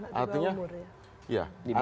salah satu perkawinan anak